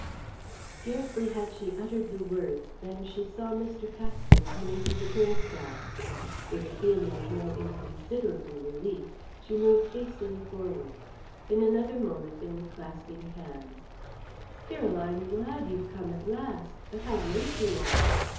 Scarcely had she uttered the words than she saw Mr. Paxton coming through the turnstile. With a feeling of no inconsiderable relief she moved hastily forward. In another moment they were clasping hands. "Cyril! I'm glad you've come at last! But how late you are!"